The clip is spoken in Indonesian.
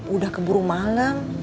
udah keburu malam